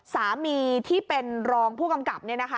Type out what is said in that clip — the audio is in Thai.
สามีที่เป็นรองผู้กำกับ